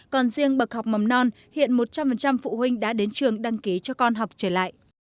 còn riêng bậc học mầm non hiện một trăm linh phụ huynh đã đến trường đăng ký cho con học trở lại